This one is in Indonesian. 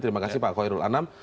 terima kasih pak khoirul anam